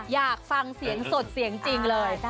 อยากฟังเสียงสดเสียงจริงเลย